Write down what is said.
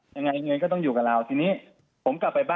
ยังไงเงินก็ต้องอยู่กับเราทีนี้